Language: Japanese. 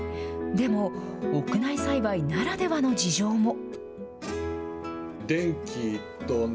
でも、屋内栽培ならではの事情も。